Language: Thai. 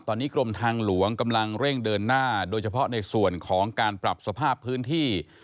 ตอนนี้กรมทางหลวงกำลังเร่งเดินหน้าโดยเฉพาะในส่วนของการปรับสภาพพื้นที่